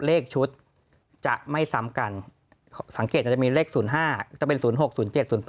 เลขชุดจะไม่ซ้ำกันสังเกตอาจจะมีเลข๐๕จะเป็น๐๖๐๗๐๘